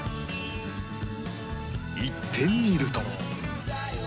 行ってみると